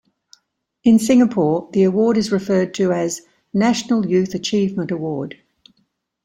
In Singapore, the award is referred to as "National Youth Achievement Award".